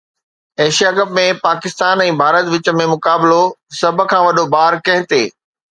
Asia cup ۾ Pakistan ۽ Bharat وچ ۾ مقابلو، سڀ کان وڏو بار ڪنهن تي؟